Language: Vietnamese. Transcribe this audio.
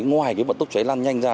ngoài cái vận tốc cháy lan nhanh ra